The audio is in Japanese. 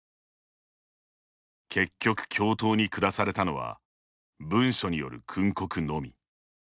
結局、教頭に下されたのは文書による訓告のみ。